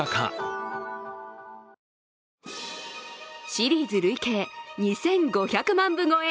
シリーズ累計２５００万部超え。